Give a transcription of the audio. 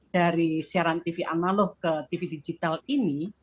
dari siaran tv analog ke tv digital ini